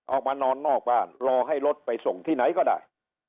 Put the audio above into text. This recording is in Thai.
ออกมานอนนอกบ้านรอให้รถไปส่งที่ไหนก็ได้